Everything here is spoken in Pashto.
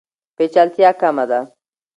پیچلتیا کمه ده.